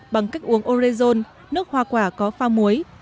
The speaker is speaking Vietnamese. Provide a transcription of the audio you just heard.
bằng cách uống orezone nước hoa quả có phao muối